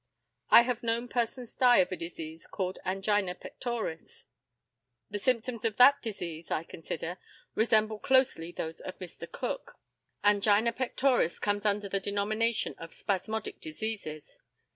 I have known persons die of a disease called angina pectoris. The symptoms of that disease, I consider, resemble closely those of Mr. Cook. Angina pectoris comes under the denomination of spasmodic diseases.